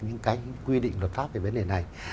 những quy định luật pháp về vấn đề này